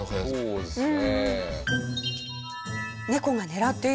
そうですね。